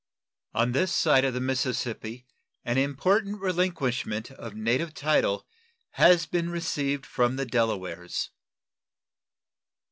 On this side of the Mississippi an important relinquishment of native title has been received from the Delawares.